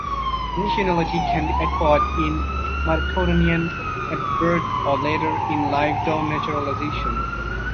Nationality can be acquired in Mauritania at birth or later in life through naturalization.